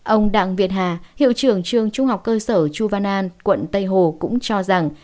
ông đặng việt hà hiệu trưởng trường trung học cơ sở chu văn an quận tây hồ cũng cho rằng